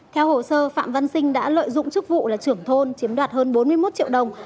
theo hồ sơ phạm văn sinh đã lợi dụng chức vụ là trưởng thôn chiếm đoạt hơn bốn mươi một triệu đồng